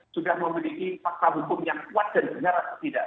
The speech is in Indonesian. sudah memiliki fakta hukum yang kuat dan benar atau tidak